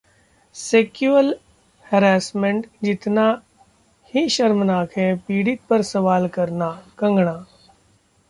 sexual harassment जितना ही शर्मनाक है पीड़ित पर सवाल करना: कंगना